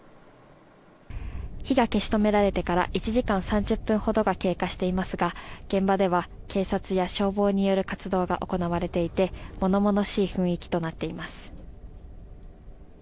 火が消し止められてから１時間３０分ほどが経過していますが現場では警察や消防による活動が行われていて物々しい雰囲気となっています。